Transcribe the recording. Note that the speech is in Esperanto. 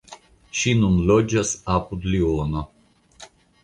Ŝi nun loĝas apud Liono.